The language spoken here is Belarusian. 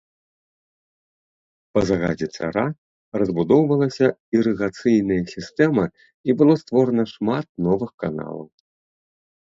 Па загадзе цара разбудоўвалася ірыгацыйная сістэма і было створана шмат новых каналаў.